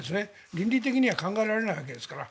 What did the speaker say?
倫理的には考えられないわけですから。